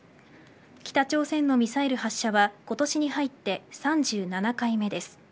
北朝鮮のミサイル発射は今年に入って３７回目です。